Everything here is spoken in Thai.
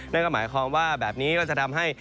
นั่นก็หมายความว่าแบบนี้ก็จะทำให้